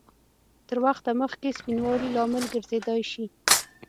تر وخته مخکې سپینوالي لامل ګرځېدای شي؟